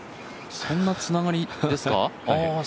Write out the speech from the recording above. そんなつながりですか？